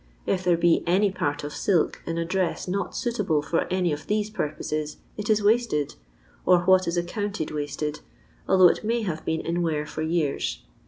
If there be any part of silk in a dress not suitable for any of these purpoees it is wasted, or what is accounted wasted, although it may have been in wear for years.